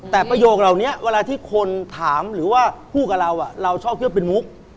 แต่ประโยคเหล่านี้เวลาที่คนถามหรือว่าพูดกับเราเราชอบคิดว่าเป็นมุก